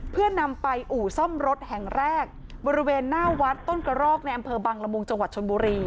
เพื่อนำไปอู่ซ่อมรถแห่งแรกบริเวณหน้าวัดต้นกระรอกในอำเภอบังละมุงจังหวัดชนบุรี